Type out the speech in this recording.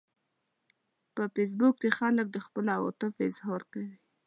په فېسبوک کې خلک د خپلو عواطفو اظهار کوي